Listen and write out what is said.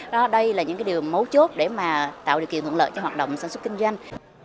đó đây là những cái điều mấu chốt để tạo điều kiện thuận lợi cho hoạt động sản xuất kinh doanh